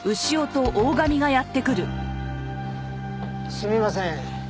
すみません。